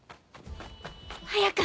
早く！